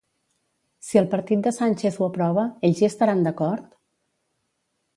Si el partit de Sánchez ho aprova, ells hi estaran d'acord?